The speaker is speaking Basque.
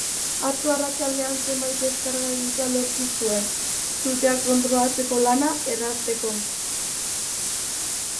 Atzo arratsaldean, zenbait deskarga egitea lortu zuen, sutea kontrolatzeko lana errazteko.